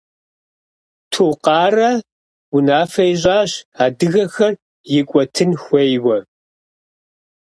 Тукъарэ унафэ ищӏащ адыгэхэр икӏуэтын хуейуэ.